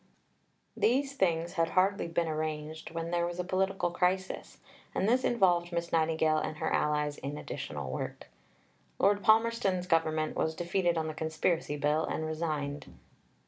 II These things had hardly been arranged when there was a political crisis, and this involved Miss Nightingale and her allies in additional work. Lord Palmerston's Government was defeated on the Conspiracy Bill, and resigned.